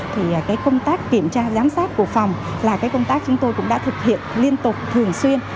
thì cái công tác kiểm tra giám sát của phòng là công tác chúng tôi cũng đã thực hiện liên tục thường xuyên